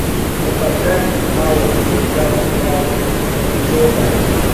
Utupaji au uzoaji mbovu wa mizoga